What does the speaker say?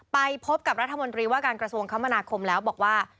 ไปพบกับรัฐมนตรีว่าการกระทรวงคมนาคมแล้วบอกว่า